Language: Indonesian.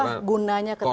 itulah gunanya ketentuan